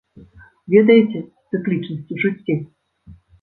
Ведаеце, цыклічнасць у жыцці?